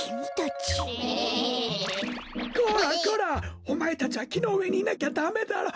こらこらおまえたちはきのうえにいなきゃダメだろ。